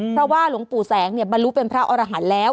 เพราะว่าหลวงปู่แสงเนี่ยบรรลุเป็นพระอรหารแล้ว